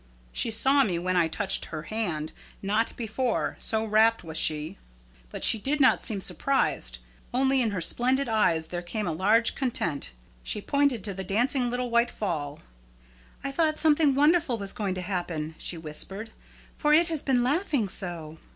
She saw me when I touched her hand, not before, so wrapped was she. But she did not seem surprised. Only in her splendid eyes there came a large content. She pointed to the dancing little white fall. 'I thought something wonderful was going to happen,' she whispered, 'for it has been laughing so.'